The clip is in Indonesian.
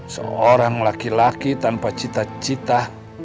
seorang laki laki tanpa cita cita